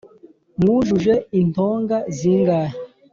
mwujuje intonga zingahe